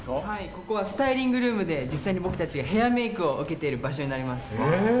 ここはスタイリングルームで、実際に僕たちがヘアメークを受けている場所になります。